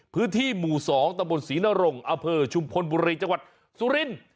พื้นที่หมู่๒ตะบนศรีนรงอเภชุมพลบุรีจังหวัดสุรินทร์